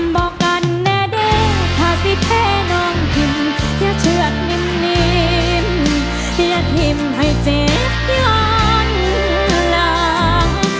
บอกกันแน่ถ้าสิเท่น้องทิมอย่าเฉือดนิ่มอย่าทิมให้เจ็บย้อนหลัง